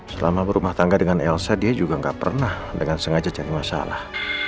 selama berumah tangga dengan elsa dia juga nggak pernah dengan sengaja cari masalah